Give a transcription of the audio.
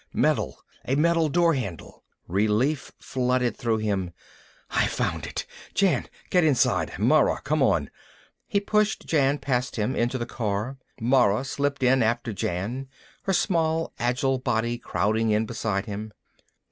Metal, a metal door handle. Relief flooded through him. "I've found it! Jan, get inside. Mara, come on." He pushed Jan past him, into the car. Mara slipped in after Jan, her small agile body crowding in beside him.